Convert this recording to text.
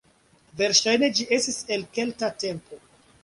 Verŝajne ĝi estis el kelta tempo.